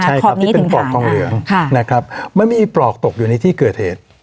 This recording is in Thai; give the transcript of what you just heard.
ใช่ครับที่เป็นปลอกทองเหลืองนะครับมันไม่มีปลอกตกอยู่ในที่เกิดเหตุ